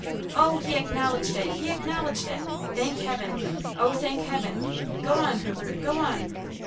"Oh, he acknowledged it–he acknowledged it! Thank Heaven! oh, thank Heaven! Go on, Herbert; go on."